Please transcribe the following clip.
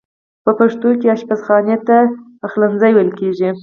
په پښتو کې آشپز خانې ته پخلنځی ویل کیږی.